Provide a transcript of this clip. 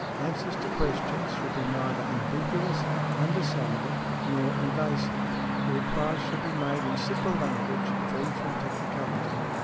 "Answers to questions should be neither ambiguous, undecided, nor evasive." "The replies should be made in simple language, free from technicality."